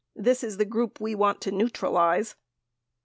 This is the group we want to neutralize.